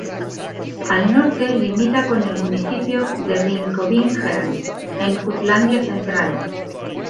Al norte limita con el municipio de Ringkøbing-Skjern, en Jutlandia Central.